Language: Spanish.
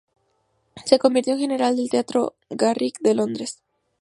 Se convirtió en gerente del Teatro Garrick de Londres.